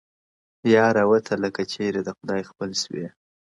• یاره وتله که چيري د خدای خپل سوې,